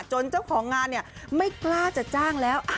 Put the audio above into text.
เจ้าของงานไม่กล้าจะจ้างแล้ว